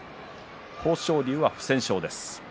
豊昇龍は不戦勝です。